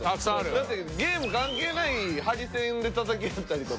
だってゲーム関係ないハリセンでたたき合ったり。